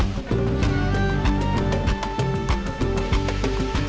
saat matahari mulai condong ke barat